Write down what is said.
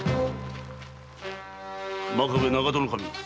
真壁長門守。